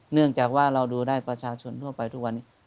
เนื่องจากว่าเราดูได้ประชาชนทั่วไปทุกวันนี้